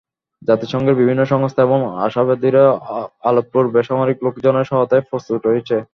জাতিসংঘের বিভিন্ন সংস্থা এবং অংশীদারেরা আলেপ্পোর বেসামরিক লোকজনের সহায়তায় প্রস্তুত রয়েছে।